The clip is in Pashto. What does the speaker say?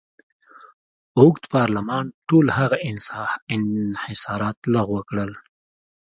اوږد پارلمان ټول هغه انحصارات لغوه کړل.